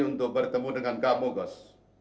untuk bertemu dengan kamu gus